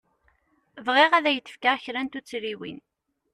Bɣiɣ ad k-d-fkeɣ kra n tuttriwin.